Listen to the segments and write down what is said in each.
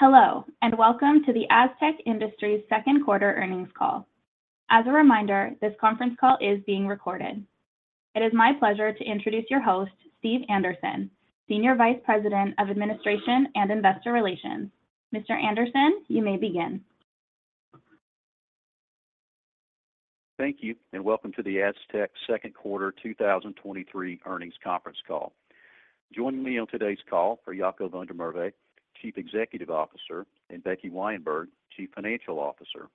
Hello, and welcome to the Astec Industries second quarter earnings call. As a reminder, this conference call is being recorded. It is my pleasure to introduce your host, Steve Anderson, Senior Vice President of Administration and Investor Relations. Mr. Anderson, you may begin. Thank you, and welcome to the Astec second quarter 2023 earnings conference call. Joining me on today's call are Jacco van der Merwe, Chief Executive Officer, and Becky Weinberg, Chief Financial Officer.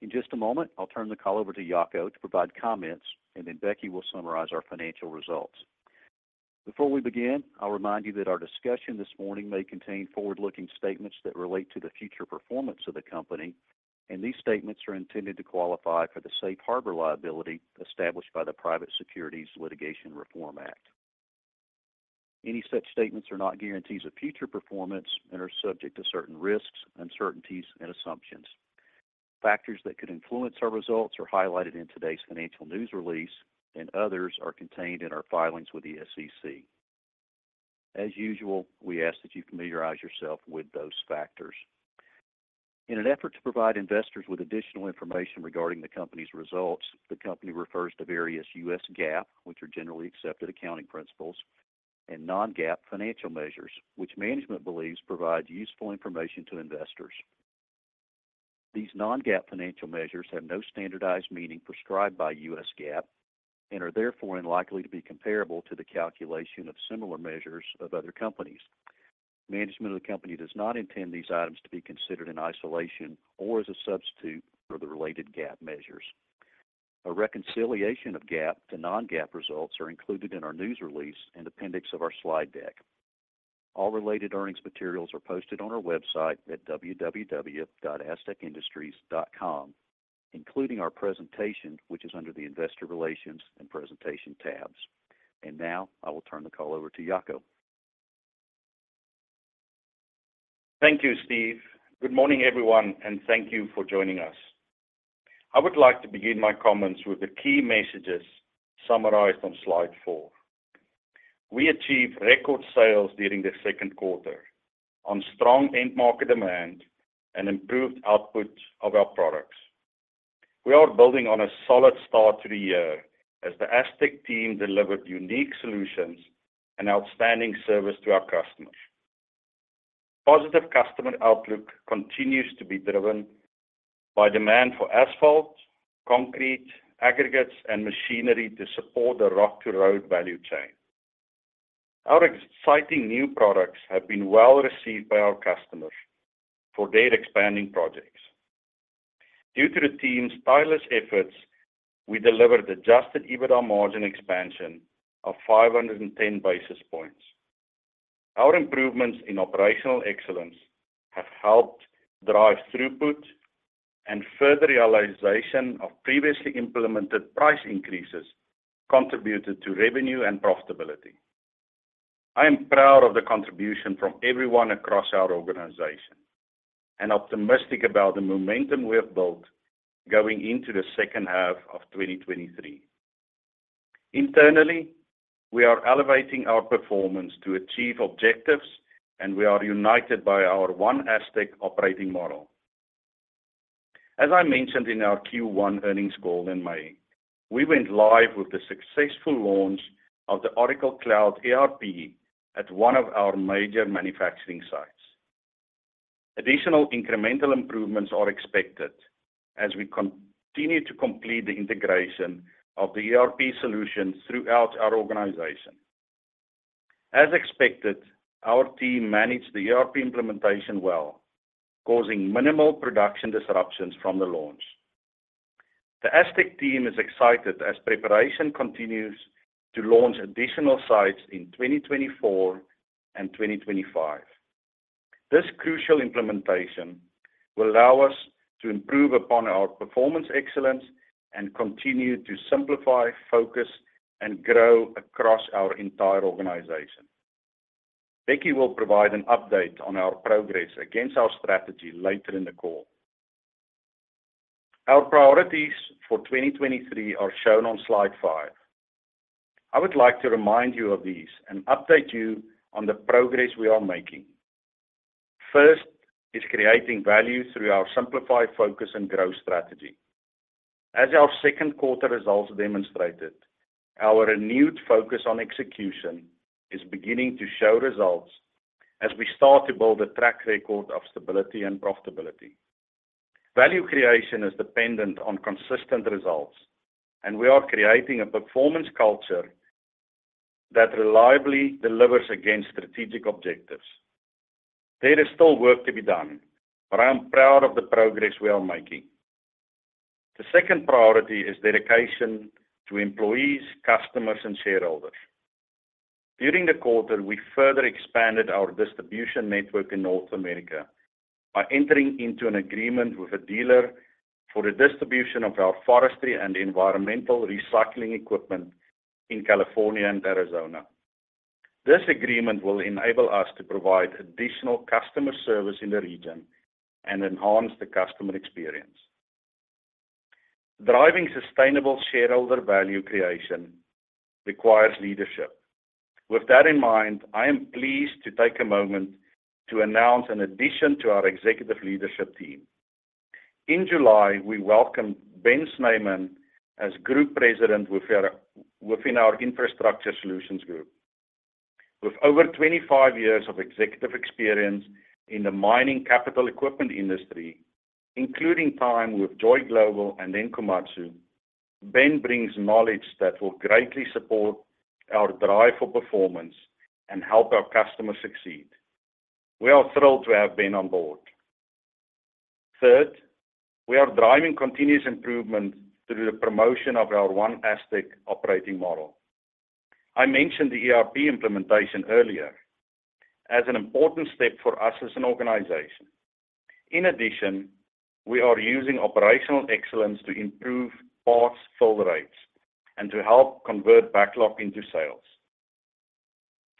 In just a moment, I'll turn the call over to Jacco to provide comments, and then Becky will summarize our financial results. Before we begin, I'll remind you that our discussion this morning may contain forward-looking statements that relate to the future performance of the company, and these statements are intended to qualify for the safe harbor liability established by the Private Securities Litigation Reform Act. Any such statements are not guarantees of future performance and are subject to certain risks, uncertainties, and assumptions. Factors that could influence our results are highlighted in today's financial news release, and others are contained in our filings with the SEC. As usual, we ask that you familiarize yourself with those factors. In an effort to provide investors with additional information regarding the company's results, the company refers to various U.S. GAAP, which are generally accepted accounting principles, and non-GAAP financial measures, which management believes provide useful information to investors. These non-GAAP financial measures have no standardized meaning prescribed by U.S. GAAP and are therefore unlikely to be comparable to the calculation of similar measures of other companies. Management of the company does not intend these items to be considered in isolation or as a substitute for the related GAAP measures. A reconciliation of GAAP to non-GAAP results are included in our news release and appendix of our slide deck. All related earnings materials are posted on our website at www.astecindustries.com, including our presentation, which is under the Investor Relations and Presentation tabs. Now, I will turn the call over to Jaco. Thank you, Steve. Good morning, everyone, thank you for joining us. I would like to begin my comments with the key messages summarized on slide 4. We achieved record sales during the second quarter on strong end market demand and improved output of our products. We are building on a solid start to the year as the Astec team delivered unique solutions and outstanding service to our customers. Positive customer outlook continues to be driven by demand for asphalt, concrete, aggregates, and machinery to support the Rock to Road value chain. Our exciting new products have been well received by our customers for their expanding projects. Due to the team's tireless efforts, we delivered Adjusted EBITDA margin expansion of 510 basis points. Our improvements in operational excellence have helped drive throughput and further realization of previously implemented price increases contributed to revenue and profitability. I am proud of the contribution from everyone across our organization and optimistic about the momentum we have built going into the second half of 2023. Internally, we are elevating our performance to achieve objectives, and we are united by our OneASTEC operating model. As I mentioned in our Q1 earnings call in May, we went live with the successful launch of the Oracle Cloud ERP at one of our major manufacturing sites. Additional incremental improvements are expected as we continue to complete the integration of the ERP solution throughout our organization. As expected, our team managed the ERP implementation well, causing minimal production disruptions from the launch. The Astec team is excited as preparation continues to launch additional sites in 2024 and 2025. This crucial implementation will allow us to improve upon our performance excellence and continue to Simplify, Focus, and Grow across our entire organization. Becky will provide an update on our progress against our strategy later in the call. Our priorities for 2023 are shown on slide 5. I would like to remind you of these and update you on the progress we are making. First is creating value through our Simplify, Focus, and Grow strategy. As our second quarter results demonstrated, our renewed focus on execution is beginning to show results as we start to build a track record of stability and profitability. Value creation is dependent on consistent results, and we are creating a performance culture that reliably delivers against strategic objectives. There is still work to be done, but I am proud of the progress we are making. The second priority is dedication to employees, customers, and shareholders. During the quarter, we further expanded our distribution network in North America by entering into an agreement with a dealer for the distribution of our forestry and environmental recycling equipment in California and Arizona. This agreement will enable us to provide additional customer service in the region and enhance the customer experience. Driving sustainable shareholder value creation requires leadership. With that in mind, I am pleased to take a moment to announce an addition to our executive leadership team. In July, we welcomed Ben Snyman as Group President within our Infrastructure Solutions Group. With over 25 years of executive experience in the mining capital equipment industry, including time with Joy Global and then Komatsu, Ben brings knowledge that will greatly support our drive for performance and help our customers succeed. We are thrilled to have Ben on board. Third, we are driving continuous improvement through the promotion of our OneASTEC operating model. I mentioned the ERP implementation earlier as an important step for us as an organization. In addition, we are using operational excellence to improve parts fill rates and to help convert backlog into sales.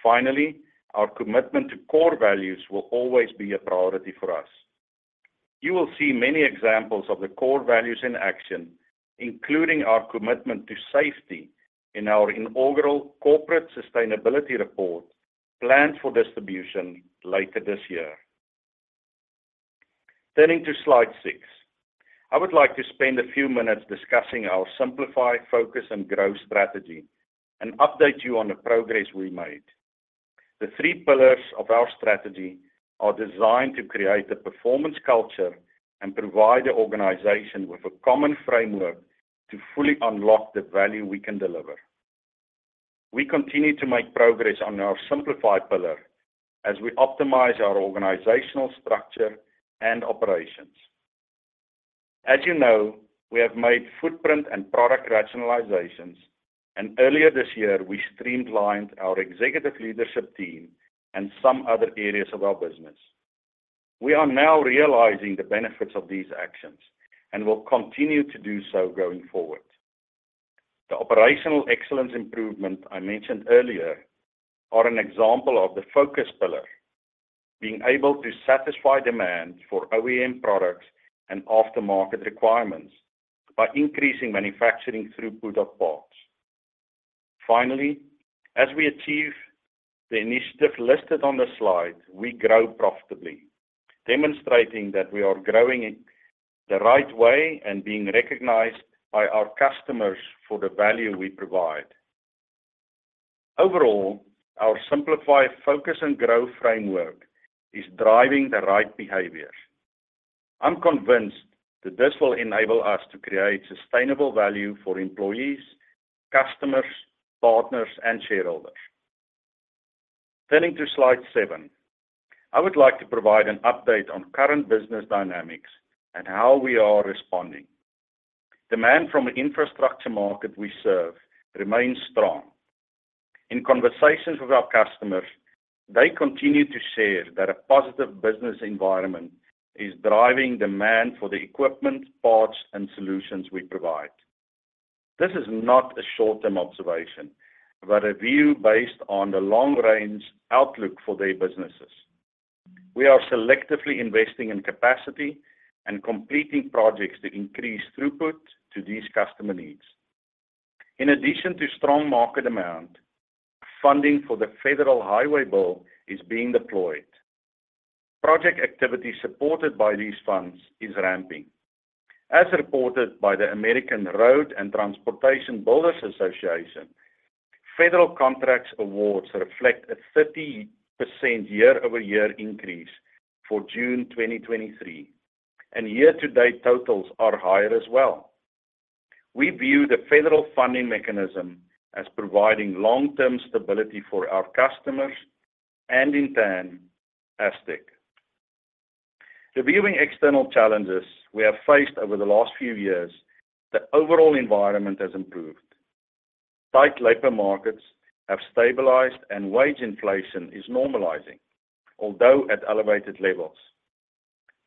Finally, our commitment to core values will always be a priority for us. You will see many examples of the core values in action, including our commitment to safety in our inaugural Corporate Sustainability Report planned for distribution later this year. Turning to slide 6, I would like to spend a few minutes discussing our Simplify, Focus, and Grow strategy, and update you on the progress we made. The three pillars of our strategy are designed to create a performance culture and provide the organization with a common framework to fully unlock the value we can deliver. We continue to make progress on our Simplify pillar as we optimize our organizational structure and operations. As you know, we have made footprint and product rationalizations, and earlier this year, we streamlined our executive leadership team and some other areas of our business. We are now realizing the benefits of these actions and will continue to do so going forward. The operational excellence improvement I mentioned earlier are an example of the Focus pillar, being able to satisfy demand for OEM products and aftermarket requirements by increasing manufacturing throughput of parts. Finally, as we achieve the initiatives listed on the slide, we grow profitably, demonstrating that we are growing in the right way and being recognized by our customers for the value we provide. Overall, our Simplify, Focus and Grow framework is driving the right behaviors. I'm convinced that this will enable us to create sustainable value for employees, customers, partners, and shareholders. Turning to slide 7, I would like to provide an update on current business dynamics and how we are responding. Demand from the infrastructure market we serve remains strong. In conversations with our customers, they continue to share that a positive business environment is driving demand for the equipment, parts, and solutions we provide. This is not a short-term observation, but a view based on the long-range outlook for their businesses. We are selectively investing in capacity and completing projects to increase throughput to these customer needs. In addition to strong market demand, funding for the Federal Highway Bill is being deployed. Project activity supported by these funds is ramping. As reported by the American Road & Transportation Builders Association, federal contracts awards reflect a 30% year-over-year increase for June 2023, and year-to-date totals are higher as well. We view the federal funding mechanism as providing long-term stability for our customers and in turn, Astec. Reviewing external challenges we have faced over the last few years, the overall environment has improved. Tight labor markets have stabilized and wage inflation is normalizing, although at elevated levels.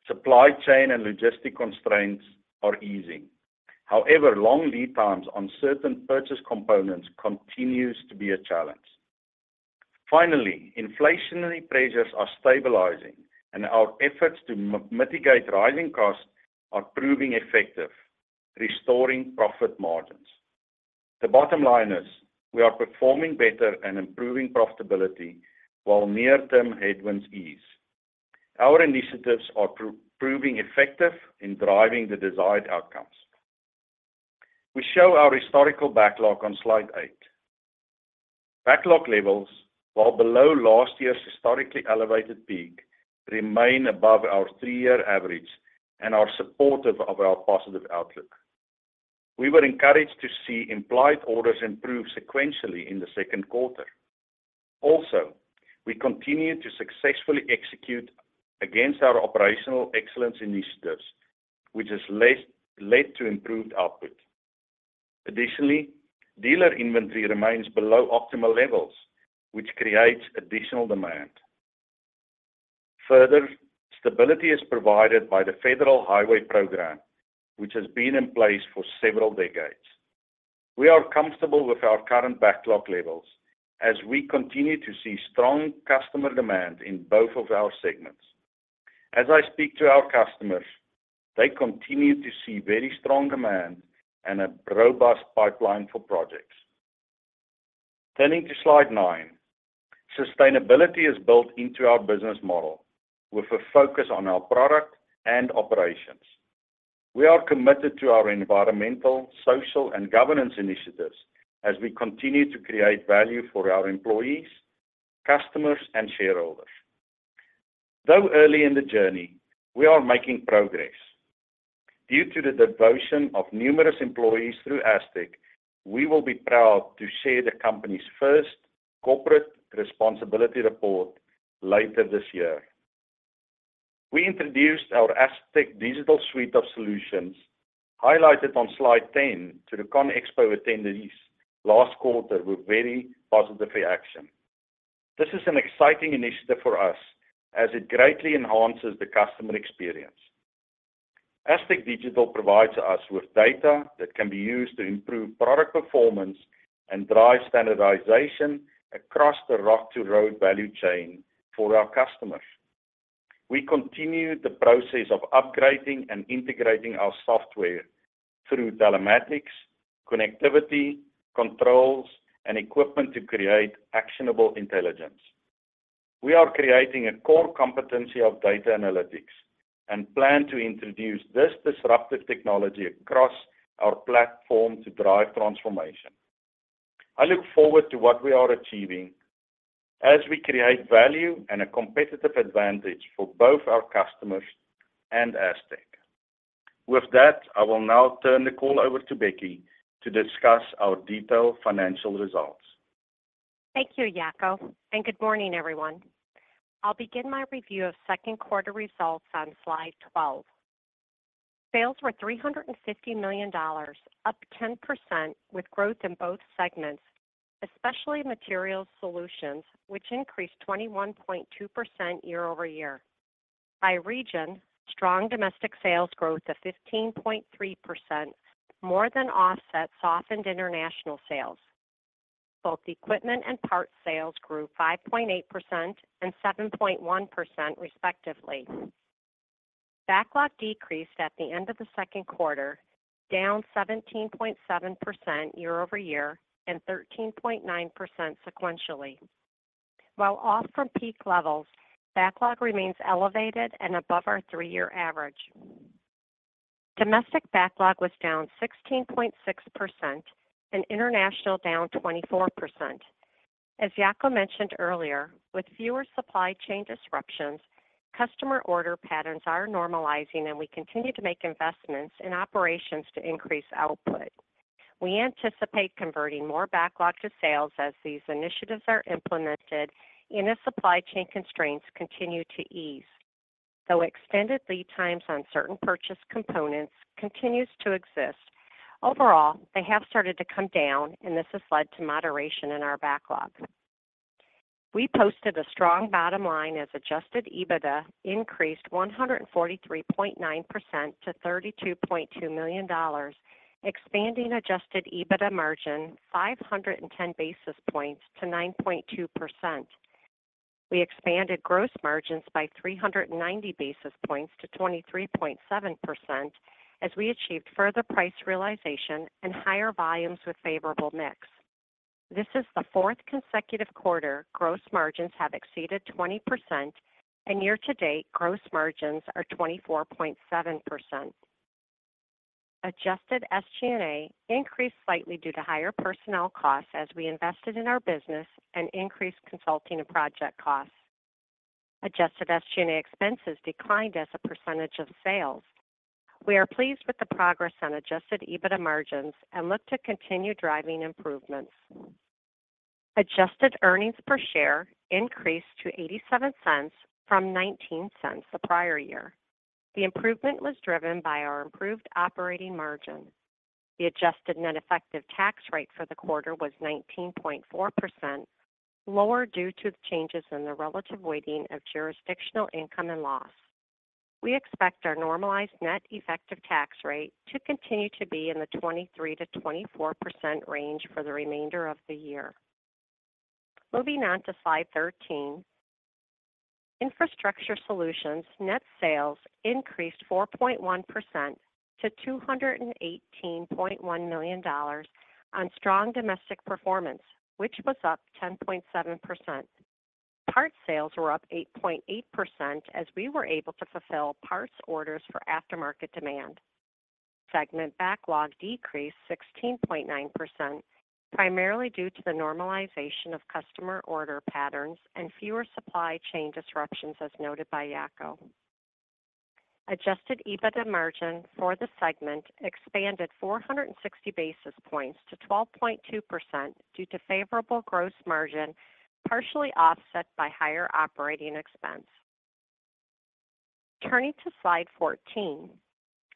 Supply chain and logistic constraints are easing. However, long lead times on certain purchase components continues to be a challenge. Finally, inflationary pressures are stabilizing, and our efforts to mitigate rising costs are proving effective, restoring profit margins. The bottom line is we are performing better and improving profitability while near-term headwinds ease. Our initiatives are proving effective in driving the desired outcomes. We show our historical backlog on slide eight. Backlog levels, while below last year's historically elevated peak, remain above our three-year average and are supportive of our positive outlook. Also, we continued to successfully execute against our operational excellence initiatives, which has led to improved output. Additionally, dealer inventory remains below optimal levels, which creates additional demand. Further, stability is provided by the Federal Highway Program, which has been in place for several decades. We are comfortable with our current backlog levels as we continue to see strong customer demand in both of our segments. As I speak to our customers, they continue to see very strong demand and a robust pipeline for projects. Turning to slide nine. Sustainability is built into our business model, with a focus on our product and operations. We are committed to our environmental, social, and governance initiatives as we continue to create value for our employees, customers, and shareholders. Though early in the journey, we are making progress. Due to the devotion of numerous employees through Astec, we will be proud to share the company's first corporate responsibility report later this year. We introduced our Astec digital suite of solutions, highlighted on slide 10, to the CONEXPO attendees last quarter, with very positive reaction. This is an exciting initiative for us as it greatly enhances the customer experience. Astec Digital provides us with data that can be used to improve product performance and drive standardization across the Rock to Road value chain for our customers. We continue the process of upgrading and integrating our software through telematics, connectivity, controls, and equipment to create actionable intelligence. We are creating a core competency of data analytics and plan to introduce this disruptive technology across our platform to drive transformation. I look forward to what we are achieving as we create value and a competitive advantage for both our customers and Astec. With that, I will now turn the call over to Becky to discuss our detailed financial results. Thank you, Jaco. Good morning, everyone. I'll begin my review of second quarter results on slide 12. Sales were $350 million, up 10%, with growth in both segments, especially Material Solutions, which increased 21.2% year-over-year. By region, strong domestic sales growth of 15.3% more than offset softened international sales. Both equipment and parts sales grew 5.8% and 7.1%, respectively. Backlog decreased at the end of the second quarter, down 17.7% year-over-year and 13.9% sequentially. While off from peak levels, backlog remains elevated and above our three-year average. Domestic backlog was down 16.6% and international down 24%. As Jaco mentioned earlier, with fewer supply chain disruptions, customer order patterns are normalizing, and we continue to make investments in operations to increase output. We anticipate converting more backlog to sales as these initiatives are implemented and as supply chain constraints continue to ease. Though extended lead times on certain purchase components continues to exist, overall, they have started to come down, and this has led to moderation in our backlog. We posted a strong bottom line as Adjusted EBITDA increased 143.9% to $32.2 million, expanding Adjusted EBITDA margin 510 basis points to 9.2%. We expanded gross margins by 390 basis points to 23.7%, as we achieved further price realization and higher volumes with favorable mix. This is the fourth consecutive quarter gross margins have exceeded 20%, and year-to-date, gross margins are 24.7%. Adjusted SG&A increased slightly due to higher personnel costs as we invested in our business and increased consulting and project costs. Adjusted SG&A expenses declined as a % of sales. We are pleased with the progress on Adjusted EBITDA margins and look to continue driving improvements. Adjusted earnings per share increased to $0.87 from $0.19 the prior year. The improvement was driven by our improved operating margin. The adjusted net effective tax rate for the quarter was 19.4%, lower due to the changes in the relative weighting of jurisdictional income and loss. We expect our normalized net effective tax rate to continue to be in the 23%-24% range for the remainder of the year. Moving on to slide 13. Infrastructure Solutions net sales increased 4.1% to $218.1 million on strong domestic performance, which was up 10.7%. Parts sales were up 8.8% as we were able to fulfill parts orders for aftermarket demand. Segment backlog decreased 16.9%, primarily due to the normalization of customer order patterns and fewer supply chain disruptions, as noted by Jacco. Adjusted EBITDA margin for the segment expanded 460 basis points to 12.2% due to favorable gross margin, partially offset by higher operating expense. Turning to slide 14.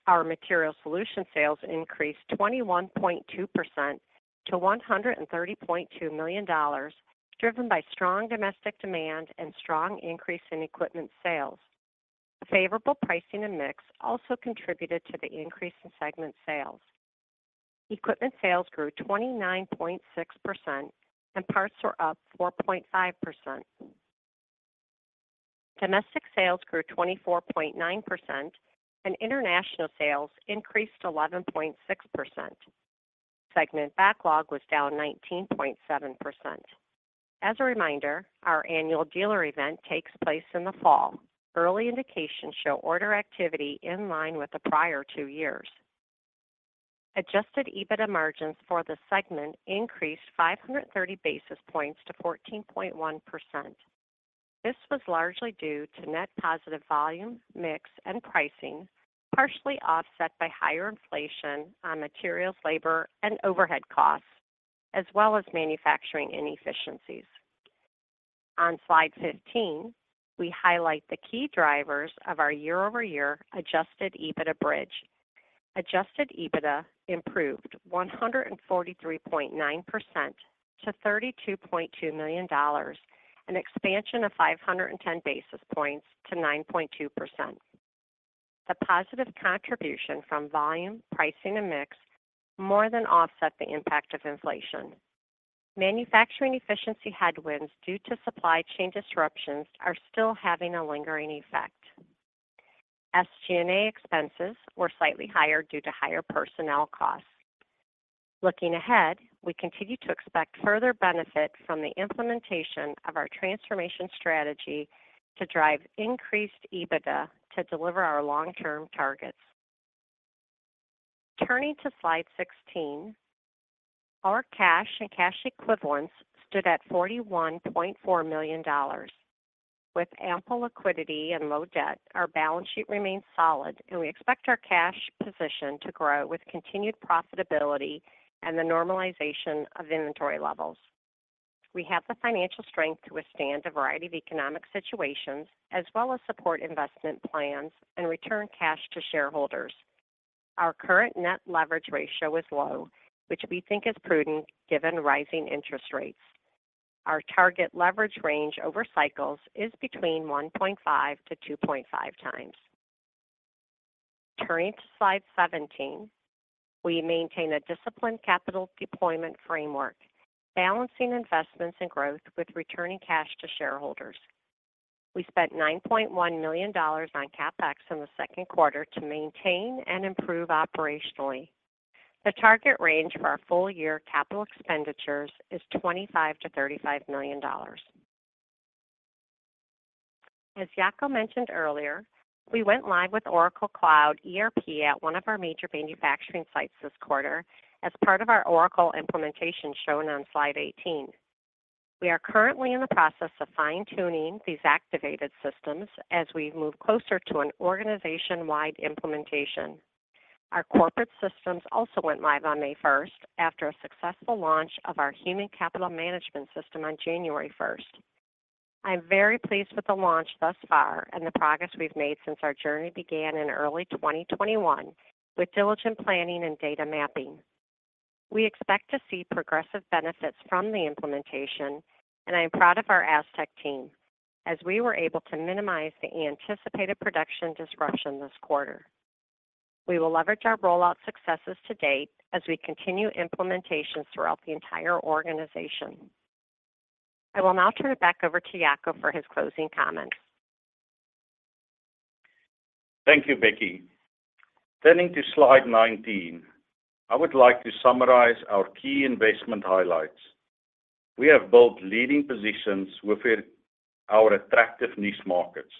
Our Material Solutions sales increased 21.2% to $130.2 million, driven by strong domestic demand and strong increase in equipment sales. A favorable pricing and mix also contributed to the increase in segment sales. Equipment sales grew 29.6%, and parts were up 4.5%. Domestic sales grew 24.9%, and international sales increased 11.6%. Segment backlog was down 19.7%. As a reminder, our annual dealer event takes place in the fall. Early indications show order activity in line with the prior two years. Adjusted EBITDA margins for the segment increased 530 basis points to 14.1%. This was largely due to net positive volume, mix, and pricing, partially offset by higher inflation on materials, labor, and overhead costs, as well as manufacturing inefficiencies. On slide 15, we highlight the key drivers of our year-over-year Adjusted EBITDA bridge. Adjusted EBITDA improved 143.9% to $32.2 million, an expansion of 510 basis points to 9.2%. The positive contribution from volume, pricing, and mix more than offset the impact of inflation. Manufacturing efficiency headwinds due to supply chain disruptions are still having a lingering effect. SG&A expenses were slightly higher due to higher personnel costs. Looking ahead, we continue to expect further benefit from the implementation of our transformation strategy to drive increased EBITDA to deliver our long-term targets. Turning to slide 16, our cash and cash equivalents stood at $41.4 million. With ample liquidity and low debt, our balance sheet remains solid, and we expect our cash position to grow with continued profitability and the normalization of inventory levels. We have the financial strength to withstand a variety of economic situations, as well as support investment plans and return cash to shareholders. Our current net leverage ratio is low, which we think is prudent, given rising interest rates. Our target leverage range over cycles is between 1.5 to 2.5 times. Turning to slide 17, we maintain a disciplined capital deployment framework, balancing investments and growth with returning cash to shareholders. We spent $9.1 million on CapEx in the second quarter to maintain and improve operationally. The target range for our full year capital expenditures is $25 million-$35 million. As Jacco mentioned earlier, we went live with Oracle Cloud ERP at one of our major manufacturing sites this quarter as part of our Oracle implementation shown on slide 18. We are currently in the process of fine-tuning these activated systems as we move closer to an organization-wide implementation. Our corporate systems also went live on May 1st, after a successful launch of our human capital management system on January 1st. I'm very pleased with the launch thus far and the progress we've made since our journey began in early 2021 with diligent planning and data mapping. We expect to see progressive benefits from the implementation, and I am proud of our Astec team as we were able to minimize the anticipated production disruption this quarter. We will leverage our rollout successes to date as we continue implementations throughout the entire organization. I will now turn it back over to Jaco for his closing comments. Thank you, Becky. Turning to slide 19, I would like to summarize our key investment highlights. We have built leading positions within our attractive niche markets.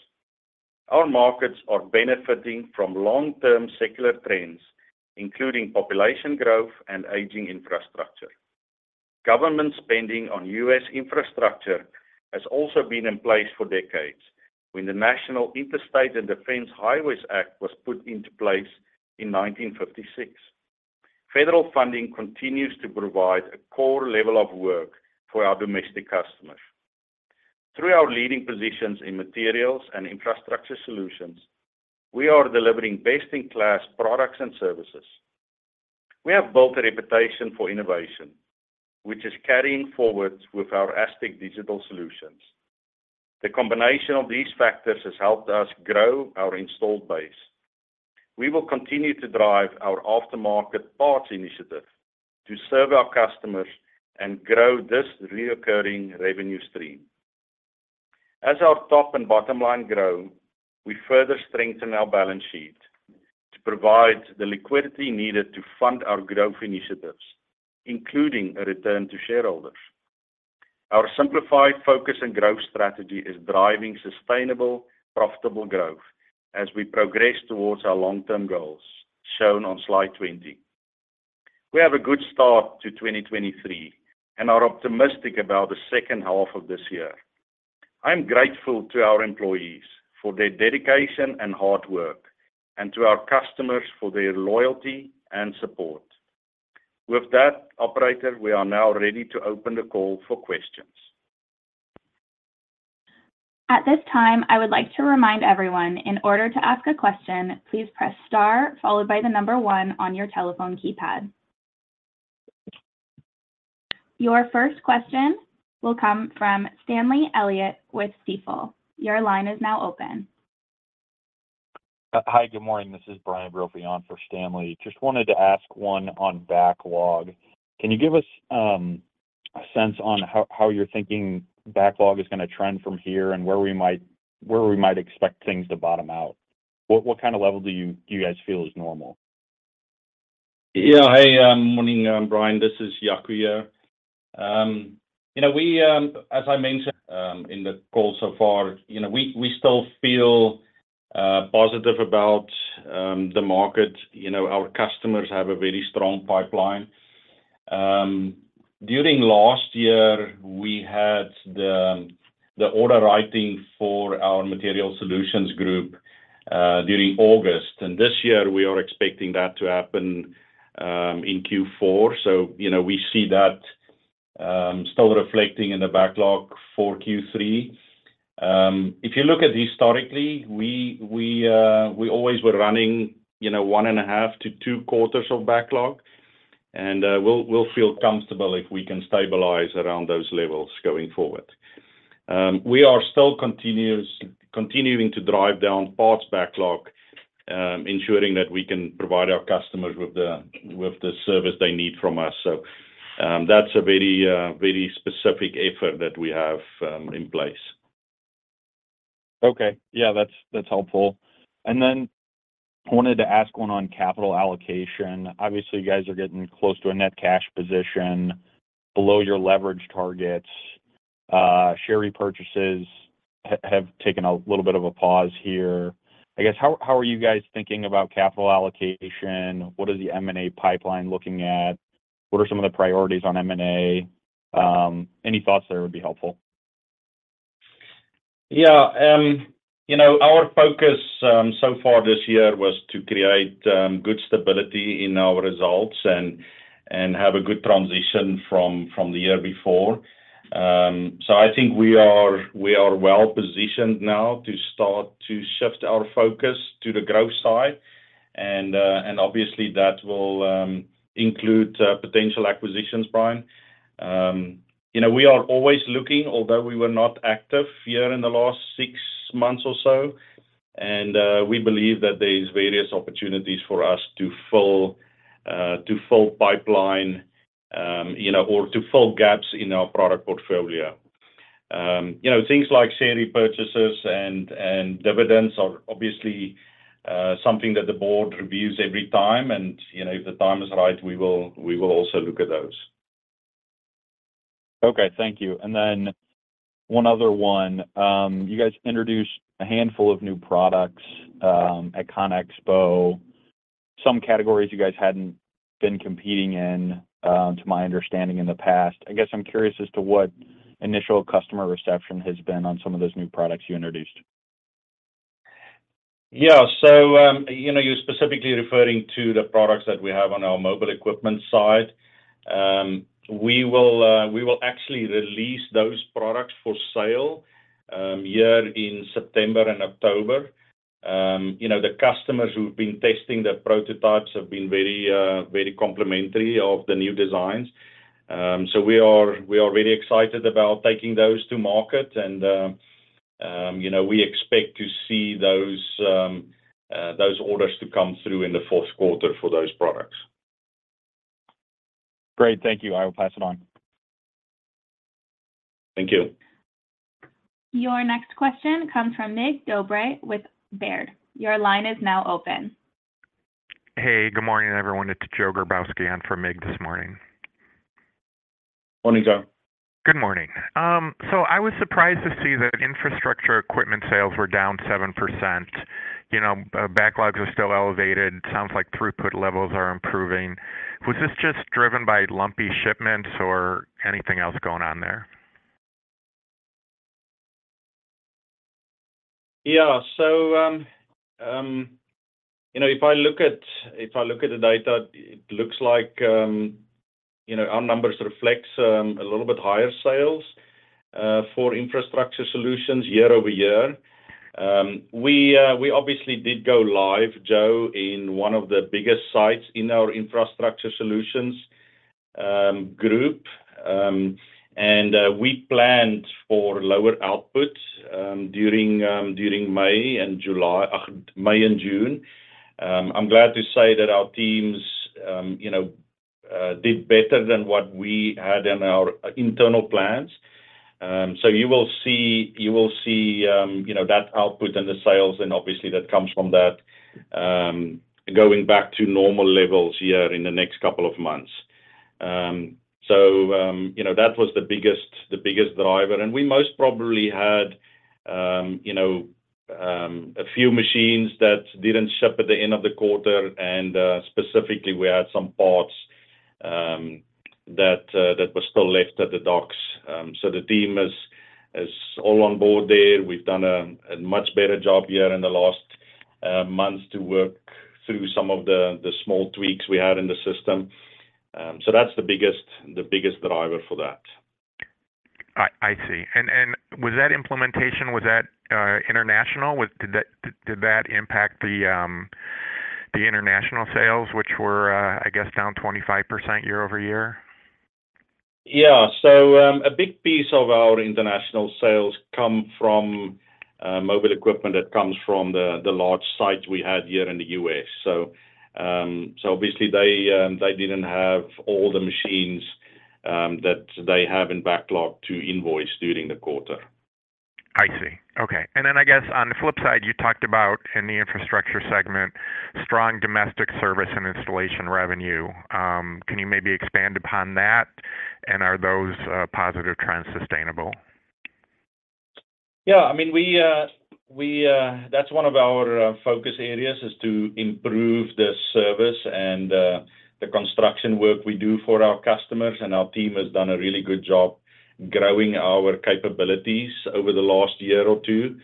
Our markets are benefiting from long-term secular trends, including population growth and aging infrastructure. Government spending on US infrastructure has also been in place for decades, when the National Interstate and Defense Highways Act was put into place in 1956. Federal funding continues to provide a core level of work for our domestic customers. Through our leading positions in Material Solutions and Infrastructure Solutions, we are delivering best-in-class products and services. We have built a reputation for innovation, which is carrying forward with our Astec Digital solutions. The combination of these factors has helped us grow our installed base. We will continue to drive our aftermarket parts initiative to serve our customers and grow this reoccurring revenue stream. As our top and bottom line grow, we further strengthen our balance sheet to provide the liquidity needed to fund our growth initiatives, including a return to shareholders. Our simplified focus and growth strategy is driving sustainable, profitable growth as we progress towards our long-term goals, shown on slide 20. We have a good start to 2023 and are optimistic about the second half of this year. I'm grateful to our employees for their dedication and hard work, and to our customers for their loyalty and support. With that, operator, we are now ready to open the call for questions. At this time, I would like to remind everyone, in order to ask a question, please press star followed by 1 on your telephone keypad. Your first question will come from Stanley Elliot with Stifel. Your line is now open. Hi, good morning. This is Brian Brophy on for Stanley. Just wanted to ask one on backlog. Can you give us a sense on how, how you're thinking backlog is gonna trend from here, and where we might, where we might expect things to bottom out? What, what kind of level do you, do you guys feel is normal? Morning, Brian, this is Jaco here. You know, we, as I mentioned in the call so far, you know, we, we still feel positive about the market. You know, our customers have a very strong pipeline. During last year, we had the order writing for our Material Solutions, during August. This year, we are expecting that to happen in Q4. You know, we see that still reflecting in the backlog for Q3. If you look at historically, we, we always were running, you know, 1.5-2 quarters of backlog. We'll feel comfortable if we can stabilize around those levels going forward. We are still continuing to drive down parts backlog, ensuring that we can provide our customers with the, with the service they need from us. That's a very, very specific effort that we have in place. Okay. Yeah, that's, that's helpful. Then wanted to ask one on capital allocation. Obviously, you guys are getting close to a net cash position below your leverage targets. Share repurchases have taken a little bit of a pause here. I guess, how, how are you guys thinking about capital allocation? What is the M&A pipeline looking at? What are some of the priorities on M&A? Any thoughts there would be helpful. Yeah. You know, our focus, so far this year was to create good stability in our results and, and have a good transition from, from the year before. I think we are, we are well-positioned now to start to shift our focus to the growth side, and, and obviously, that will include potential acquisitions, Brian. You know, we are always looking, although we were not active here in the last 6 months or so, and, we believe that there's various opportunities for us to fill to fill pipeline, you know, or to fill gaps in our product portfolio. You know, things like share repurchases and, and dividends are obviously, something that the board reviews every time, and, you know, if the time is right, we will, we will also look at those. Okay. Thank you. Then one other one. You guys introduced a handful of new products at CONEXPO. Some categories you guys hadn't been competing in, to my understanding, in the past. I guess I'm curious as to what initial customer reception has been on some of those new products you introduced? Yeah. you know, you're specifically referring to the products that we have on our mobile equipment side. We will actually release those products for sale here in September and October. you know, the customers who've been testing the prototypes have been very complimentary of the new designs. we are, we are really excited about taking those to market, and, you know, we expect to see those orders to come through in the fourth quarter for those products. Great. Thank you. I will pass it on. Thank you. Your next question comes from Mircea Dobre with Baird. Your line is now open. Hey, good morning, everyone. It's Joe Grabowski in for Mircea this morning. Morning, Joe. Good morning. I was surprised to see that infrastructure equipment sales were down 7%. You know, backlogs are still elevated, sounds like throughput levels are improving. Was this just driven by lumpy shipments or anything else going on there? Yeah. You know, if I look at the data, it looks like, you know, our numbers reflect a little bit higher sales for Infrastructure Solutions year-over-year. We obviously did go live, Joe, in one of the biggest sites in our Infrastructure Solutions Group. We planned for lower output during May and June. I'm glad to say that our teams, you know, did better than what we had in our internal plans. You will see, you will see, you know, that output and the sales, and obviously, that comes from that, going back to normal levels here in the next couple of months. You know, that was the biggest, the biggest driver, and we most probably had, you know, a few machines that didn't ship at the end of the quarter, and specifically, we had some parts that that were still left at the docks. The team is, is all on board there. We've done a, a much better job here in the last months to work through some of the, the small tweaks we had in the system. That's the biggest, the biggest driver for that. I see. Was that implementation, was that international? Did that, did that impact the international sales, which were, I guess, down 25% year-over-year? Yeah. A big piece of our international sales come from, mobile equipment that comes from the, the large sites we had here in the U.S.. Obviously, they, they didn't have all the machines, that they have in backlog to invoice during the quarter. I see. Okay. Then I guess on the flip side, you talked about in the Infrastructure segment, strong domestic service and installation revenue. Can you maybe expand upon that? Are those positive trends sustainable? Yeah, I mean, we, we, that's one of our focus areas, is to improve the service and the construction work we do for our customers, and our team has done a really good job growing our capabilities over the last year or two.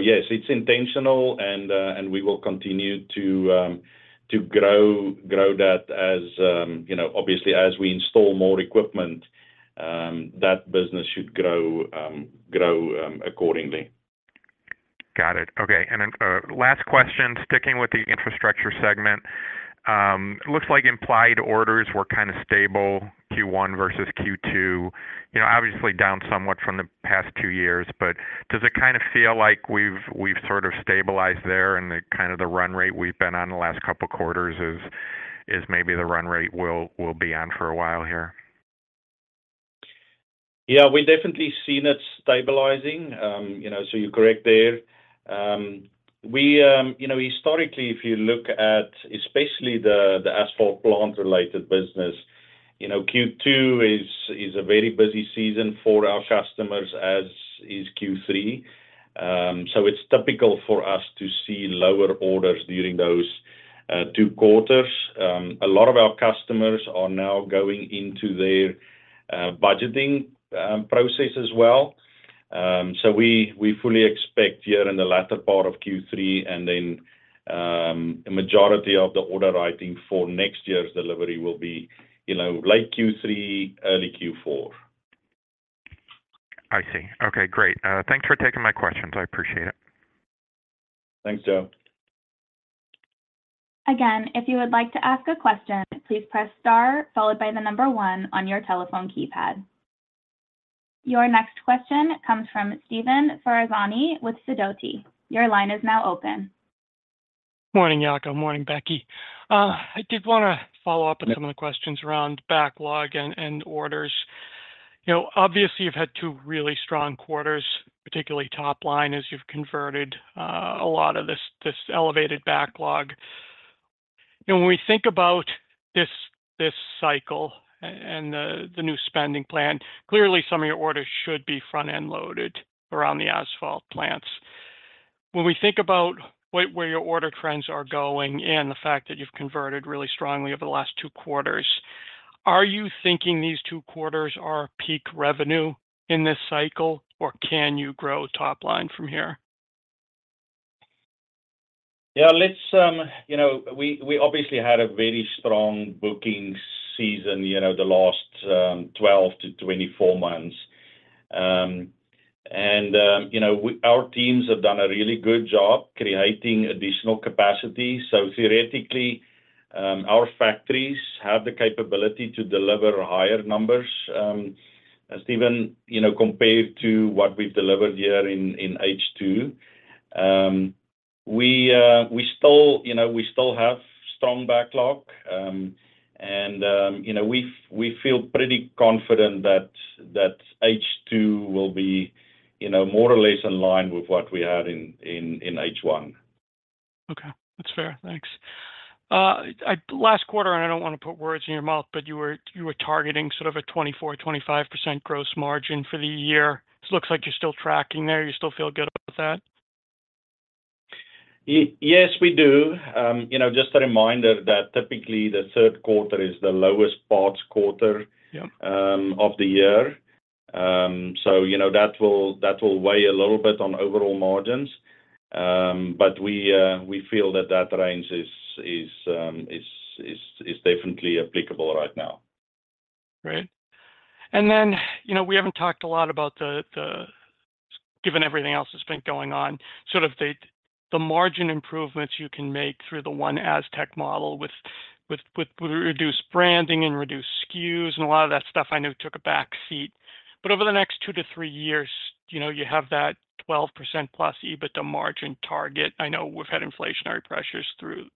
Yes, it's intentional, and we will continue to to grow, grow that as you know, obviously, as we install more equipment, that business should grow, grow accordingly. Got it. Okay, last question, sticking with the Infrastructure segment. It looks like implied orders were kind of stable, Q1 versus Q2. You know, obviously down somewhat from the past two years, but does it kind of feel like we've, we've sort of stabilized there, and the kind of the run rate we've been on the last couple of quarters is, is maybe the run rate we'll, we'll be on for a while here? Yeah, we've definitely seen it stabilizing. You know, so you're correct there. We, you know, historically, if you look at especially the asphalt plant-related business, you know, Q2 is a very busy season for our customers, as is Q3. So it's typical for us to see lower orders during those two quarters. A lot of our customers are now going into their budgeting process as well. So we, we fully expect here in the latter part of Q3, and then a majority of the order writing for next year's delivery will be, you know, late Q3, early Q4. I see. Okay, great. Thanks for taking my questions. I appreciate it. Thanks, Joe. Again, if you would like to ask a question, please press Star, followed by the 1 on your telephone keypad. Your next question comes from Steven Forzani with Sidoti. Your line is now open. Morning, Jaco. Morning, Becky. I did wanna follow up- Yeah. -on some of the questions around backlog and, and orders. You know, obviously, you've had two really strong quarters, particularly top line, as you've converted a lot of this, this elevated backlog. And when we think about this, this cycle and the, the new spending plan, clearly some of your orders should be front-end loaded around the asphalt plants. When we think about where, where your order trends are going and the fact that you've converted really strongly over the last two quarters, are you thinking these two quarters are peak revenue in this cycle, or can you grow top line from here? Yeah, let's you know, we, we obviously had a very strong booking season, you know, the last 12-24 months. You know, our teams have done a really good job creating additional capacity. Theoretically, our factories have the capability to deliver higher numbers, as even, you know, compared to what we've delivered here in H2. We still, you know, we still have strong backlog, you know, we feel pretty confident that H2 will be, you know, more or less in line with what we had in H1. Okay, that's fair. Thanks. last quarter, and I don't wanna put words in your mouth, but you were, you were targeting sort of a 24%-25% gross margin for the year. It looks like you're still tracking there. You still feel good about that? Yes, we do. you know, just a reminder that typically, the third quarter is the lowest parts quarter. Yeah... of the year. You know, that will, that will weigh a little bit on overall margins. We feel that that range is, is definitely applicable right now. Great. Then, you know, we haven't talked a lot about the, the, given everything else that's been going on, sort of the, the margin improvements you can make through the OneASTEC model with, with, with reduced branding and reduced SKUs, and a lot of that stuff I know took a back seat. Over the next 2 years-3 years, you know, you have that 12%+ EBITDA margin target. I know we've had inflationary pressures through,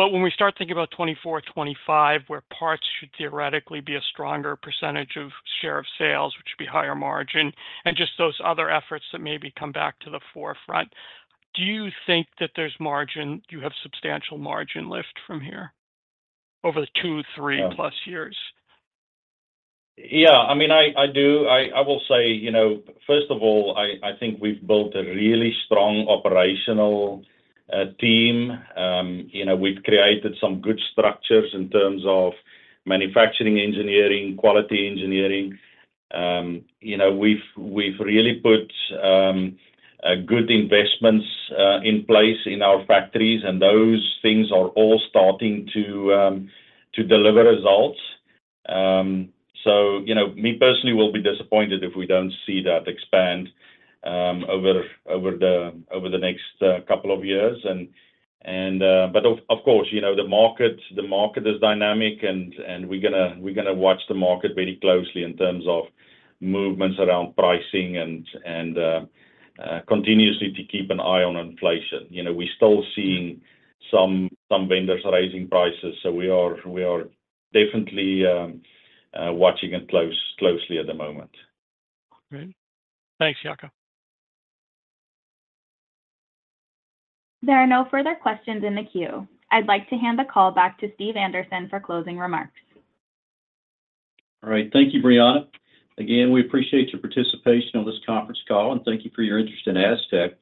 when we start thinking about 2024, 2025, where parts should theoretically be a stronger percentage of share of sales, which would be higher margin, and just those other efforts that maybe come back to the forefront, do you think that there's margin- you have substantial margin lift from here over the 2, 3-? Yeah... plus years? Yeah, I mean, I, I do. I, I will say, you know, first of all, I, I think we've built a really strong operational team. You know, we've created some good structures in terms of manufacturing, engineering, quality engineering. You know, we've, we've really put a good investments in place in our factories, and those things are all starting to deliver results. So you know, me personally will be disappointed if we don't see that expand over, over the, over the next 2 years. and, but of, of course, you know, the market, the market is dynamic and, and we're gonna, we're gonna watch the market very closely in terms of movements around pricing and, and, continuously to keep an eye on inflation. You know, we're still seeing some, some vendors raising prices, so we are, we are definitely, watching it closely at the moment. Great. Thanks, Jaco. There are no further questions in the queue. I'd like to hand the call back to Steve Anderson for closing remarks. All right. Thank you, Brianna. Again, we appreciate your participation on this conference call, and thank you for your interest in Astec.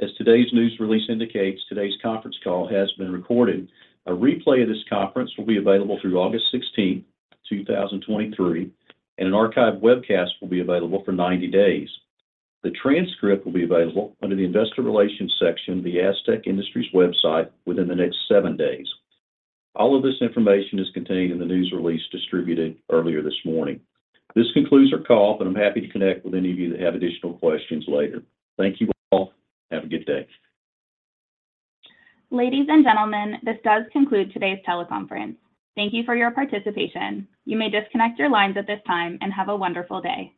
As today's news release indicates, today's conference call has been recorded. A replay of this conference will be available through August 16th, 2023, and an archive webcast will be available for 90 days. The transcript will be available under the Investor Relations section of the Astec Industries website within the next 7 days. All of this information is contained in the news release distributed earlier this morning. This concludes our call. I'm happy to connect with any of you that have additional questions later. Thank you all. Have a good day. Ladies and gentlemen, this does conclude today's teleconference. Thank you for your participation. You may disconnect your lines at this time, and have a wonderful day.